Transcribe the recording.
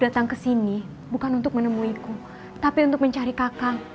kisah kakang kesini bukan untuk menemuiku tapi untuk mencari kakang